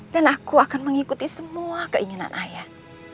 aku akan mengikuti semua keinginan ayah